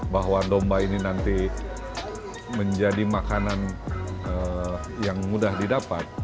bahwa domba ini nanti menjadi makanan yang mudah didapat